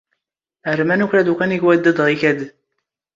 ⴰⵔ ⵎⴰⵏⵓⴽ ⵔⴰⴷ ⵓⴽⴰⵏ ⵉⴳ ⵡⴰⴷⴷⴰⴷ ⵖⵉⴽⴰⴷ?